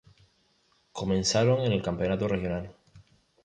Comenzaron en el "campeonato regional".